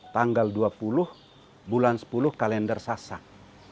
tanggal dua puluh bulan sepuluh kalender sasak